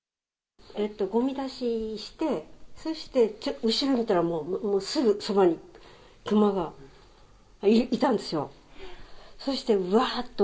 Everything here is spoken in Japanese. ごみ出しして、そして後ろ見たら、もうすぐそばにクマがいたんですよ。